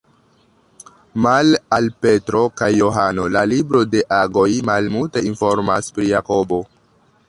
Male al Petro kaj Johano, la libro de Agoj malmulte informas pri Jakobo.